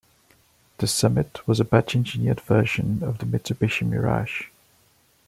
The Summit was a badge engineered version of the Mitsubishi Mirage.